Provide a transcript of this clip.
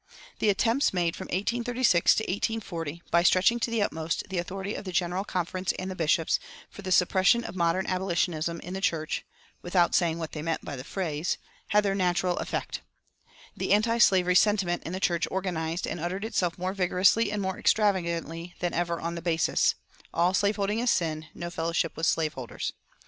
The attempts made from 1836 to 1840, by stretching to the utmost the authority of the General Conference and the bishops, for the suppression of "modern abolitionism" in the church (without saying what they meant by the phrase) had their natural effect: the antislavery sentiment in the church organized and uttered itself more vigorously and more extravagantly than ever on the basis, "All slave holding is sin; no fellowship with slave holders."